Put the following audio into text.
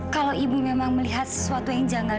kalau ibu memang melihat sesuatu yang janggal